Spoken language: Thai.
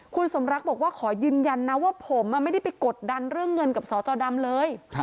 คุณสมรักบอกว่าขอยืนยันนะว่าผมไม่ได้ไปกดดันเรื่องเงินกับสจดำเลย